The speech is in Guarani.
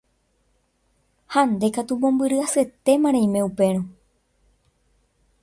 Ha nde katu mombyry asyetéma reime upérõ.